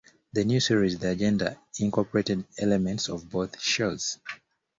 The new series "The Agenda" incorporated elements of both shows.